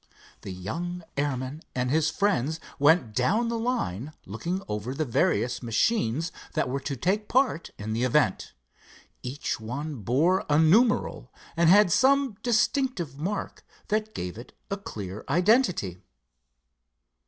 The young airman and his friends went down the line, looking over the various machines that were to take part in the event. Each one bore a numeral, and had some distinctive mark that gave it a clear identity.